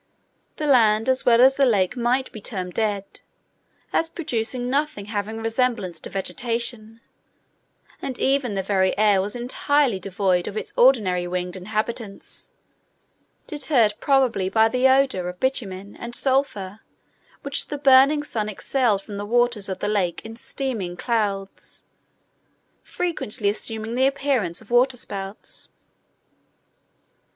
The land as well as the lake might be termed dead, as producing nothing having resemblance to vegetation, and even the very air was entirely devoid of its ordinary winged inhabitants, deterred probably by the odour of bitumen and sulphur which the burning sun exhaled from the waters of the lake in steaming clouds, frequently assuming the appearance of waterspouts.